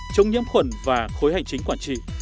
chống nhiễm khuẩn và khối hành chính quản trị